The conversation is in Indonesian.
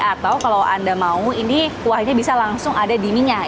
atau kalau anda mau ini kuahnya bisa langsung ada di minyak